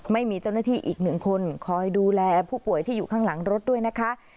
ไม่มีเจ้าหน้าที่อีกหนึ่งคนคอยดูแลผู้ป่วยที่อยู่ข้างหลังรถด้วยนะคะ